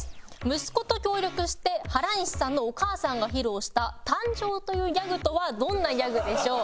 「息子と協力して原西さんのお母さんが披露した“誕生”というギャグとはどんなギャグでしょう？」